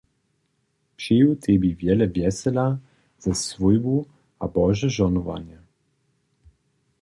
Přeju Tebi wjele wjesela ze swójbu a bože žohnowanje.